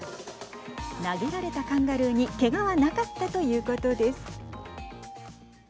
投げられたカンガルーにけがはなかったということです。